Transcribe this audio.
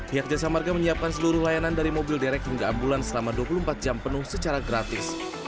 pihak jasa marga menyiapkan seluruh layanan dari mobil derek hingga ambulans selama dua puluh empat jam penuh secara gratis